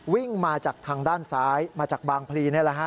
วิ่งมาจากทางด้านซ้ายมาจากบางพรี